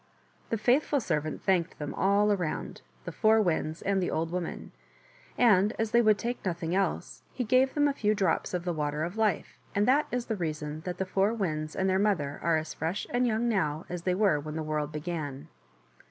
The faithful servant thanked them all around — the Four Winds and the old woman — and as they would take nothing else, he gave them a few drops of the Water of Life, and that is the reason that the Four Winds and their mother are as fresh and young now as they were when the world began.